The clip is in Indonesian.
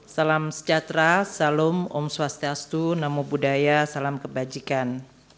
salam sejahtera salam om swastiastu namo buddhaya salam kebajikan